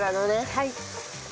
はい。